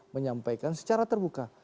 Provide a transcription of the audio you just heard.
menyampaikan secara terbuka